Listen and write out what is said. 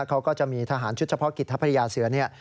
เขาก็จะมีทหารชุดเฉพาะกิจทัพยาเสือเนี่ย